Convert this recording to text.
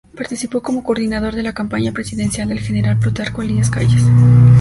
Participó como coordinador de la campaña presidencial del general Plutarco Elías Calles.